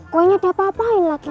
kuenya diapa apain lagi